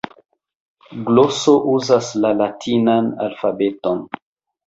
Gloso uzas la latinan alfabeton.